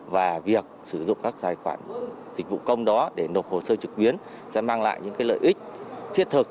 và việc sử dụng các tài khoản dịch vụ công đó để nộp hồ sơ trực tuyến sẽ mang lại những lợi ích thiết thực